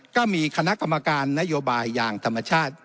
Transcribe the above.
ก็มีคณะกรรมการนโยบายอย่างธรรมชาติ